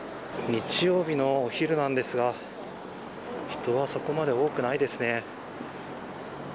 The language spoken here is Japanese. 日曜日のお昼なんですが、人はそこまで多くないですね。